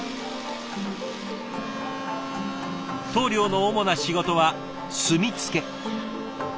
棟梁の主な仕事は墨付け。